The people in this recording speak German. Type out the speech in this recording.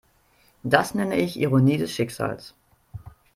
Das nenne ich Ironie des Schicksals.